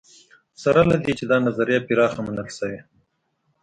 سره له دې چې دا نظریه پراخه منل شوې.